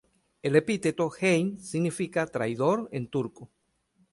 El epíteto "Hain" significa "traidor" en turco.